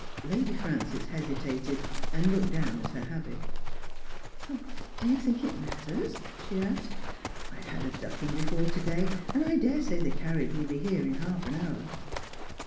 Lady Frances hesitated, and looked down at her habit. ' Do you think it matters 1 ' she asked. ' I've had a ducking before to day, and I dare say the carriage will be here in half an hour.'